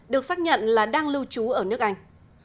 được xác nhận là đang lưu trú ở nước anh